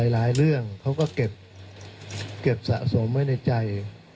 หลายเรื่องเขาก็เก็บสะสมไว้ในใจ